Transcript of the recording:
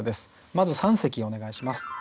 まず三席お願いします。